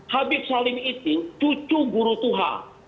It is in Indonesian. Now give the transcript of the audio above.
habib salim istiq cucu guru tuhan